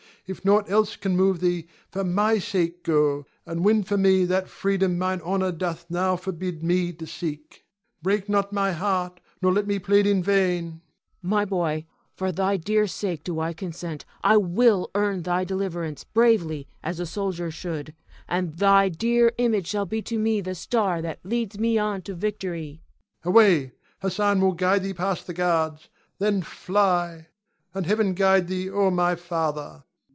If nought else can move thee, for my sake go, and win for me that freedom mine honor doth now forbid me to seek. Break not my heart, nor let me plead in vain. Cleon. My boy, for thy dear sake do I consent. I will earn thy deliverance bravely, as a soldier should; and thy dear image shall be to me the star that leads me on to victory. Ion [joyfully]. Away! Hassan will guide thee past the guards. Then fly, and Heaven guide thee, O my father!